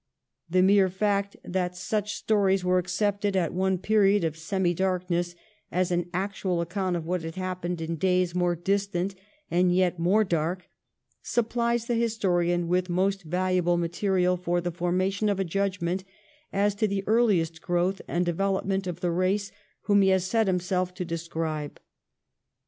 The mere fact that such stories were accepted at one period of semi darkness as an actual account of what had happened in days more distant and yet more dark, supplies the historian with most valuable material for the forma tion of a judgment as to the earliest growth and development of the race whom he has set himself to describe.